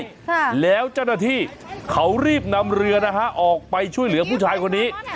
ค่ะแล้วเจ้าหน้าที่เขารีบนำเรือนะฮะออกไปช่วยเหลือผู้ชายคนนี้